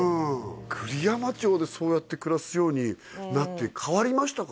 栗山町でそうやって暮らすようになって変わりましたか？